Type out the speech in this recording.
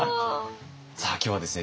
さあ今日はですね